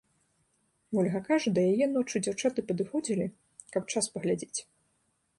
Вольга кажа, да яе ноччу дзяўчаты падыходзілі, каб час паглядзець.